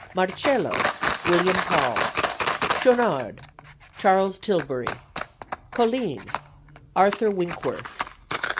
Marcello WILLIAM PAUL. Schaunard CHAS. TILBURY. Colline ARTHUR WINCKWORTH.